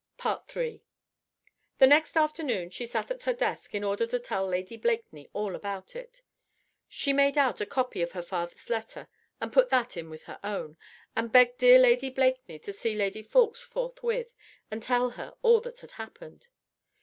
III The next afternoon she sat at her desk in order to tell Lady Blakeney all about it. She made out a copy of her father's letter and put that in with her own, and begged dear Lady Blakeney to see Lady Ffoulkes forthwith and tell her all that had happened.